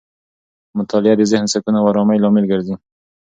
مطالعه د ذهني سکون او آرامۍ لامل ګرځي.